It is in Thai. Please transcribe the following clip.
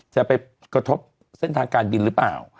จะไปกระทบเส้นทางการบินหรือเปล่า